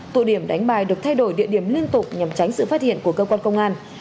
tụ điểm đánh bài được thay đổi địa điểm liên tục nhằm tránh sự phát hiện của cơ quan công an